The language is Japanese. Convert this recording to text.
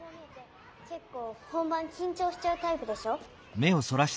けっこう本番きんちょうしちゃうタイプでしょ？